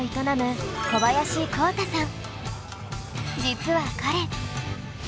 実は彼。